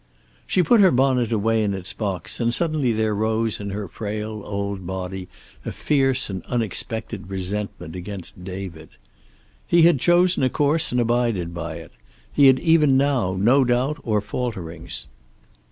She put her bonnet away in its box, and suddenly there rose in her frail old body a fierce and unexpected resentment against David. He had chosen a course and abided by it. He had even now no doubt or falterings.